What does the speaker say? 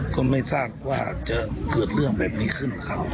ก็ไม่ทราบว่าจะเกิดเรื่องแบบนี้ขึ้นครับ